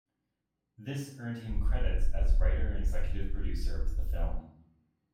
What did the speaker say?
This earned him credits as writer and executive producer of the film.